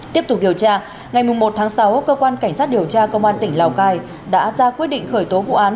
tiếp tục điều tra ngày một tháng sáu cơ quan cảnh sát điều tra công an tỉnh lào cai đã ra quyết định khởi tố vụ án